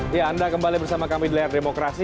ya anda kembali bersama kami di lihat remokrasi